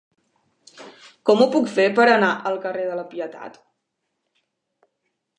Com ho puc fer per anar al carrer de la Pietat?